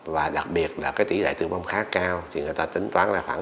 và đặc biệt là cái tỷ lệ tử vong khá cao thì người ta tính toán là khoảng năm mươi hai tám